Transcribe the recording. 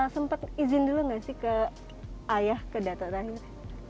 sempat izin dulu gak sih ke ayah ke datuk tahir